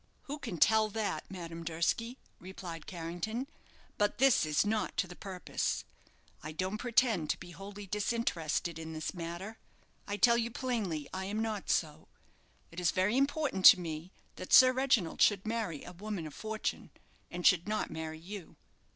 "Who can tell that, Madame Durski?" replied Carrington. "But this is not to the purpose. I don't pretend to be wholly disinterested in this matter. I tell you plainly I am not so; it is very important to me that Sir Reginald should marry a woman of fortune, and should not marry you."